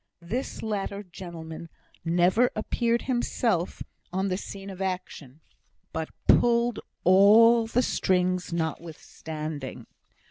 This latter gentleman never appeared himself on the scene of action, but pulled all the strings notwithstanding.